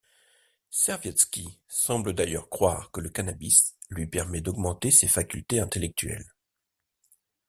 Servietsky semble d'ailleurs croire que le cannabis lui permet d'augmenter ses facultés intellectuelles.